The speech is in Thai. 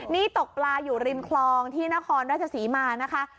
นี่ตกปลาอยู่ริมคลองที่นครราชศรีมานะคะ